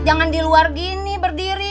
jangan di luar gini berdiri